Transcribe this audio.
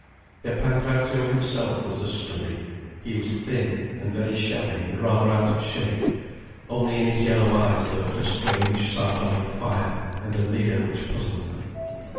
Yet Pancrazio himself was a study. He was thin, and very shabby, and rather out of shape. Only in his yellow eyes lurked a strange sardonic fire, and a leer which puzzled her.